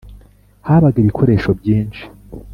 habaga ibikoresho byinshi: